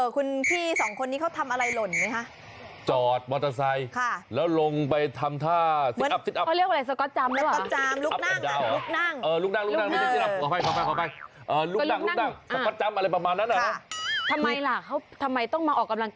คุณพี่สองคนนี้เขาทำอะไรหล่นไหมคะ